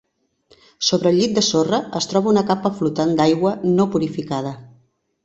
Sobre el llit de sorra es troba una capa flotant d'aigua no purificada.